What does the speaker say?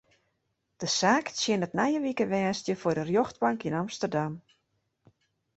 De saak tsjinnet nije wike woansdei foar de rjochtbank yn Amsterdam.